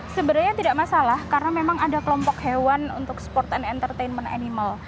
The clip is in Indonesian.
sebenarnya tidak masalah karena memang ada kelompok hewan untuk sport and entertainment animal